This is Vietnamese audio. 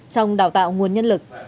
trong đào tạo nguồn nhân lực